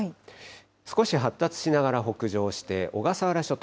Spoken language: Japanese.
少し発達しながら北上して、小笠原諸島、